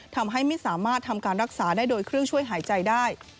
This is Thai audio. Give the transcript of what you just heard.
ทำให้ไม่สามารถทำการรักษาได้โดยเครื่องช่วยหายใจได้